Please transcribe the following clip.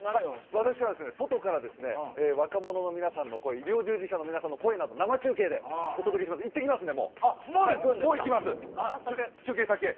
私は外から若者の皆さんの声、医療従事者の皆さんの声を生中継でお届けします、行ってきますんで。